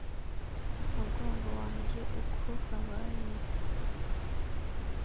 mugongo wanjye uko habaye?'